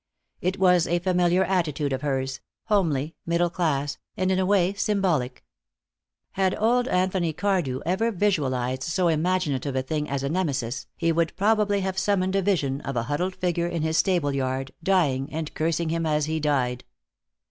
It was a familiar attitude of hers, homely, middle class, and in a way symbolic. Had old Anthony Cardew ever visualized so imaginative a thing as a Nemesis, he would probably have summoned a vision of a huddled figure in his stable yard, dying, and cursing him as he died.